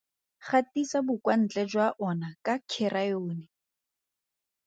Gatisa bokwantle jwa ona ka kheraeyone.